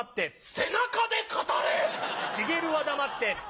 背中で語れ！